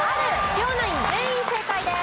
両ナイン全員正解です。